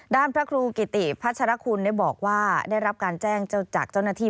ด้านพระครูกิติพัชฌาคุณได้รับการแจ้งจากเจ้าหน้าที่